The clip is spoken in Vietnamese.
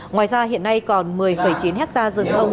ngoài ra hiện nay còn một mươi chín hectare rừng thông